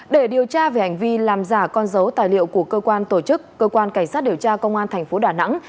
để điều tra về hành vi làm giả con dấu tài liệu của cơ quan tổ chức cơ quan cảnh sát điều tra công an thành phố đà nẵng